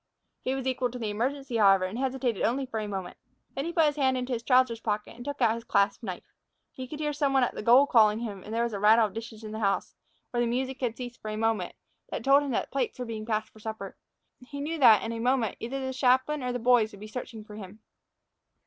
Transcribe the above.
He was equal to the emergency, however, and hesitated only for a moment. Then he put his hand into his trousers pocket and took out his clasp knife. He could hear some one at the goal calling him, and there was a rattle of dishes in the house, where the music had ceased for a moment, that told him the plates were being passed for supper. He knew that in a moment either the chaplain or the boys would be searching for him.